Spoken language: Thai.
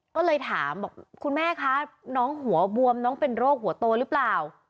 ก็เลยถามบอกคุณแม่คะน้องหัวบวมน้องเป็นโรคหัวโตหรือเปล่า